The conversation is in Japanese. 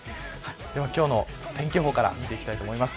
では今日の天気予報から見ていきます。